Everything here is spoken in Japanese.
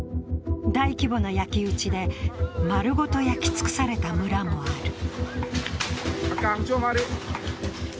大規模な焼き打ちで、丸ごと焼き尽くされた村もある。